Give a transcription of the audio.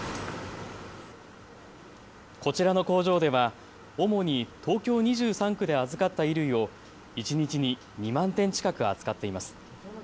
こちらの工場では主に東京２３区で預かった衣類を一日に２万点近く扱っています。